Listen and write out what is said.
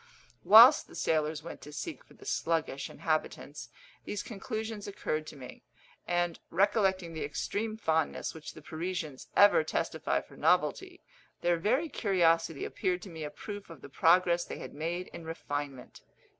Whilst the sailors went to seek for the sluggish inhabitants, these conclusions occurred to me; and, recollecting the extreme fondness which the Parisians ever testify for novelty, their very curiosity appeared to me a proof of the progress they had made in refinement.